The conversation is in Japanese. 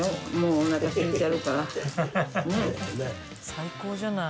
最高じゃない。